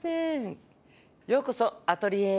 ようこそアトリエへ！